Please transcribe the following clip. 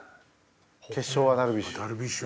決勝はダルビッシュ？